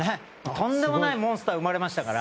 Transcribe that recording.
とんでもないモンスターが生まれましたから。